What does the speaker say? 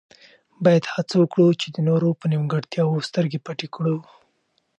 باید هڅه وکړو چې د نورو په نیمګړتیاوو سترګې پټې کړو.